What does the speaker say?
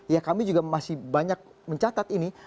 ya kami juga masih banyak mencatat ini